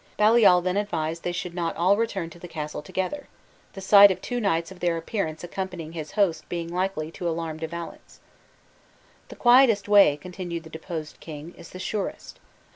Baliol then advised they should not all return to the castle together, the sight of two knights of their appearance accompanying his host being likely to alarm De Valence. "The quietest way," continued the deposed king, "is the surest.